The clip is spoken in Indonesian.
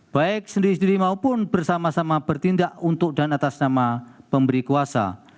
baik sendiri sendiri maupun bersama sama bertindak untuk dan atas nama pemberi kuasa